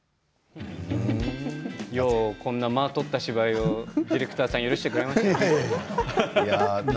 ようこんな間を取った芝居をディレクターさん許してくれましたね。